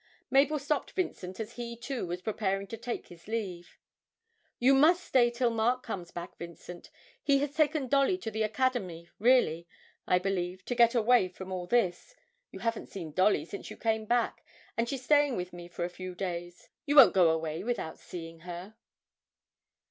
Mabel stopped Vincent as he too was preparing to take his leave. 'You must stay till Mark comes back, Vincent. He has taken Dolly to the Academy, really, I believe, to get away from all this. You haven't seen Dolly since you came back, and she's staying with me for a few days. You won't go away without seeing her?'